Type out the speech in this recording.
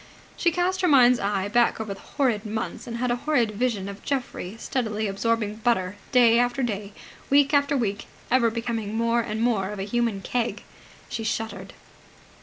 She cast her mind's eye back over the horrid months and had a horrid vision of Geoffrey steadily absorbing butter, day after day, week after week ever becoming more and more of a human keg. She shuddered.